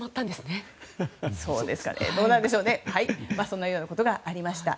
そんなようなことがありました。